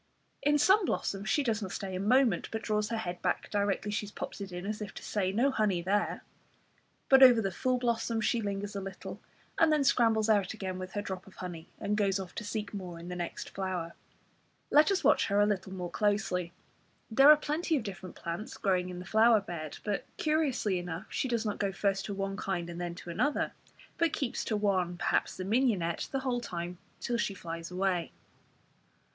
In some blossoms she does not stay a moment, but draws her head back directly she has popped it in, as if to say "No honey there." But over the full blossoms she lingers a little, and then scrambles out again with her drop of honey, and goes off to seek more in the next flower. Let us watch her a little more closely. There are plenty of different plants growing in the flower bed, but, curiously enough, she does not go first to one kind and then to another; but keeps to one, perhaps the mignonette, the whole time till she flies away.